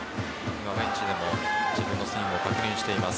今、ベンチでも自分のスイングを確認しています。